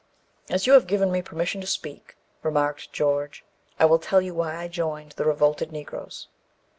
"As you have given me permission to speak," remarked George, "I will tell you why I joined the revolted Negroes.